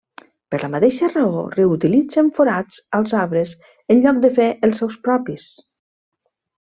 Per la mateixa raó reutilitzen forats als arbres en lloc de fer els seus propis.